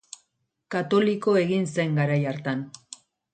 Katoliko egin zen garai hartan.